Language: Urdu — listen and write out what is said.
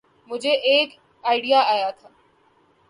مجھے ایک آئڈیا آیا تھا۔